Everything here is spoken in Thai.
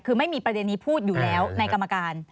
คือไม่มีประเด็นนี้พูดอยู่แล้วในกรรมการ